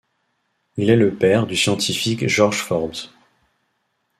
Il est le père du scientifique George Forbes.